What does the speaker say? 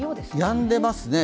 やんでいますね。